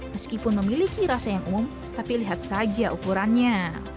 meskipun memiliki rasa yang umum tapi lihat saja ukurannya